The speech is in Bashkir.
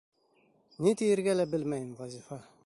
Ни тиергә лә белмәйем, Вазифа.